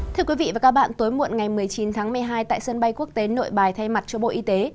thưa quý vị và các bạn tối muộn ngày một mươi chín tháng một mươi hai tại sân bay quốc tế nội bài thay mặt cho bộ y tế